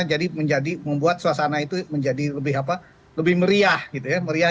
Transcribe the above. jadi membuat suasana itu menjadi lebih meriah